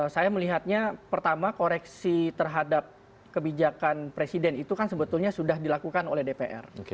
saya melihatnya pertama koreksi terhadap kebijakan presiden itu kan sebetulnya sudah dilakukan oleh dpr